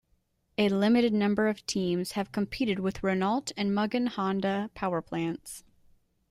A limited number of teams have competed with Renault and Mugen-Honda powerplants.